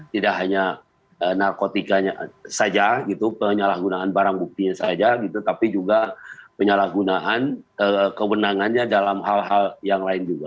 tidak hanya narkotikanya saja gitu penyalahgunaan barang buktinya saja gitu tapi juga penyalahgunaan kewenangannya dalam hal hal yang lain juga